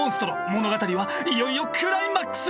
物語はいよいよクライマックスへ！